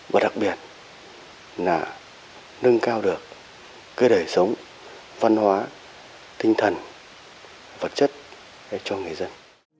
và đặc biệt là nâng cao được cơ đề sống văn hóa tinh thần vật chất cho người dân